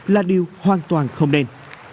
là điều hoàn toàn không nên